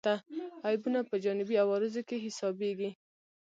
عیبونه په جانبي عوارضو کې حسابېږي.